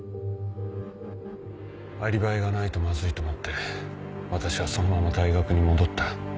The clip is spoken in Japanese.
アリバイがないとまずいと思って私はそのまま大学に戻った。